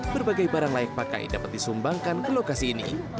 berbagai barang layak pakai dapat disumbangkan ke lokasi ini